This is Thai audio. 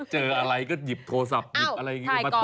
เจออะไรก็หยิบโทรศัพท์หยิบอะไรอย่างนี้มาถ่าย